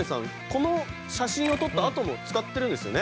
この写真を撮ったあとも継続的に使っているんですよね。